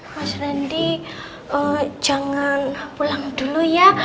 mas randy jangan pulang dulu ya